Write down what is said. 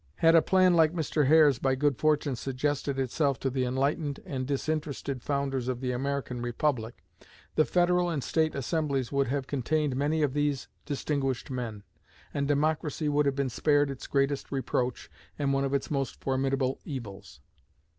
Had a plan like Mr. Hare's by good fortune suggested itself to the enlightened and disinterested founders of the American Republic, the federal and state assemblies would have contained many of these distinguished men, and democracy would have been spared its greatest reproach and one of its most formidable evils.